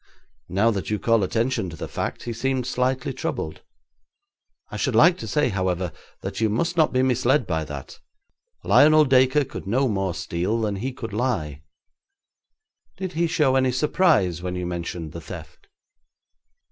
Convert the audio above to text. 'Now that you call attention to the fact, he seemed slightly troubled. I should like to say, however, that you must not be misled by that. Lionel Dacre could no more steal than he could lie.' 'Did he show any surprise when you mentioned the theft?'